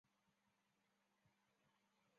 光绪二十四年入保国会。